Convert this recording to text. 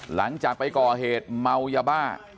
หลังจากไปก่อเหตุเมายาบ้า